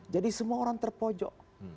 jadi semua orang terpojok